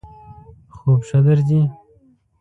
خوب ښه درځی؟